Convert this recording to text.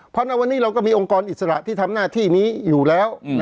เพราะในวันนี้เราก็มีองค์กรอิสระที่ทำหน้าที่นี้อยู่แล้ว